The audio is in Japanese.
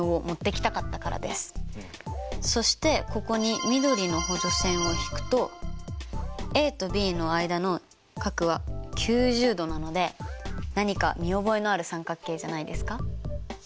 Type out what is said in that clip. そしてここに緑の補助線を引くとａとｂの間の角は９０度なので何か見覚えのある三角形じゃないですか？